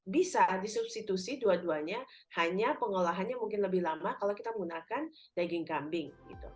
bisa disubstitusi dua duanya hanya pengolahannya mungkin lebih lama kalau kita menggunakan daging kambing